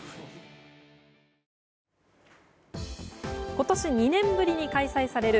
今年２年ぶりに開催される